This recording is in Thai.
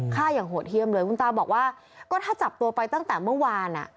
ฆ่าอย่างโหดเยี่ยมเลยคุณตาบอกว่าก็ถ้าจับตัวไปตั้งแต่เมื่อวานอ่ะ